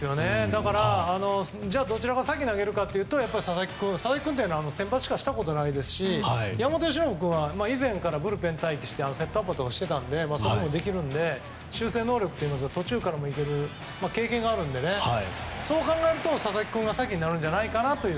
だからどちらが先に投げるかというと佐々木君は先発したことないですし山本由伸君は以前からブルペンで待機してセットアップとかしてたのでそういうのもできるので修正能力といいますか途中から投げる経験があるのでそう考えると佐々木君が先になるんじゃないかなという。